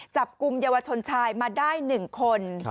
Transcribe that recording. จับกลุ่มเยาวชนชายมาได้๑คน